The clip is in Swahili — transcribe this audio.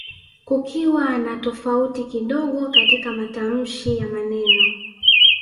kukiwa na tofauti kidogo katika matamshi ya maneno